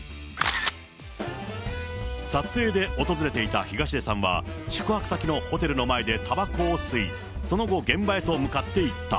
撮影で訪れていた東出さんは、宿泊先のホテルの前でたばこを吸い、その後、現場へと向かっていった。